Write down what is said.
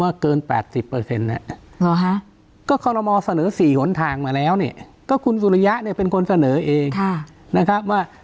อืมผมว่าเกิน๘๐น่ะ